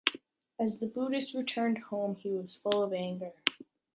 As the Buddhist returned home, he was full of anger.